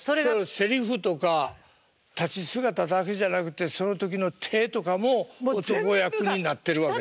セリフとか立ち姿だけじゃなくてその時の手とかも男役になってるわけですね。